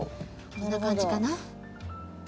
こんな感じかな？